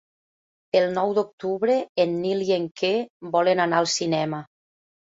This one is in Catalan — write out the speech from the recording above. El nou d'octubre en Nil i en Quer volen anar al cinema.